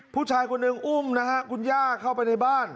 ผู้ชายคนหนึ่งอุ้มนะฮะคุณย่าเข้าไปในบ้าน